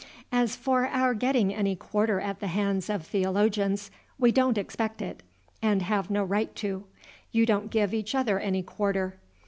"As for our getting any quarter at the hands of theologians, we don't expect it, and have no right to. You don't give each other any quarter.